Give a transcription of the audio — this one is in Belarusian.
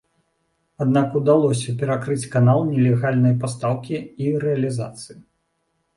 Аднак удалося перакрыць канал нелегальнай пастаўкі і рэалізацыі.